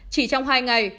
chỉ trong hai ngày